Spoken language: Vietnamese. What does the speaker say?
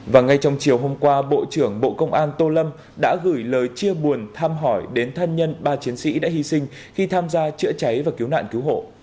và ngay trong chiều hôm qua bộ trưởng bộ công an tô lâm đã gửi lời chia buồn tham hỏi đến thân nhân ba chiến sĩ đã hy sinh khi tham gia chữa cháy và cứu nạn cứu hộ